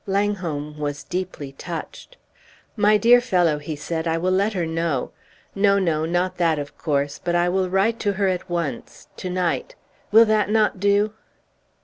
Langholm was deeply touched. "My dear fellow," he said, "I will let her know. No, no, not that, of course! But I will write to her at once to night! Will that not do?"